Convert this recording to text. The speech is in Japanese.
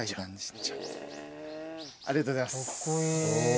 ありがとうございます。